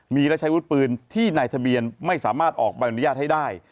มีและใช้วุฒิปืนที่ในทะเบียนไม่สามารถออกใบอนุญาตให้ได้